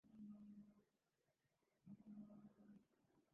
kuondoka bungeni hapo jana na hivyo kuzua wasiwasi ikiwa wanasiasa hao